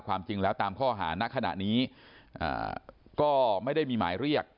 ความจริงแล้วตามข้อหานักขณะนี้ก็ไม่ได้มีหมายเรียก